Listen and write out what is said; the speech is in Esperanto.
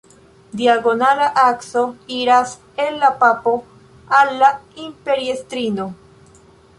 Diagonala akso iras el la papo al la imperiestrino.